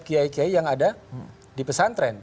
kiai kiai yang ada di pesantren